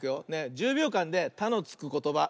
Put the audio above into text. １０びょうかんで「た」のつくことばいくよ。